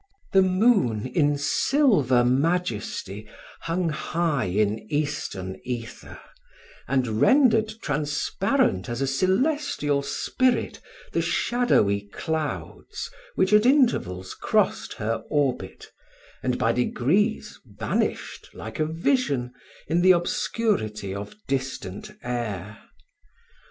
The moon, in silver majesty, hung high in eastern ether, and rendered transparent as a celestial spirit the shadowy clouds which at intervals crossed her orbit, and by degrees vanished like a vision in the obscurity of distant air.